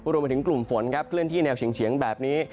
รวมไปถึงกลุ่มฝนครับเคลื่อนที่แนวเฉียงแบบนี้